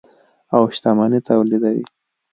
او شتمني تولیدوي.